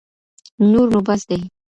نور نو بس دی.